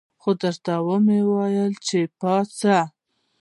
خو درته ومې ویل چې پاڅه.